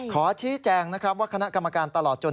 ขอชี้แจงนะครับว่าคณะกรรมการตลอดจน